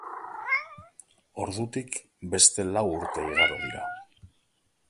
Ordutik beste lau urte igaro dira.